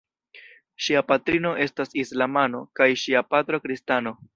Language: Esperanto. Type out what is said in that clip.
Ŝia patrino estas islamano kaj ŝia patro kristano.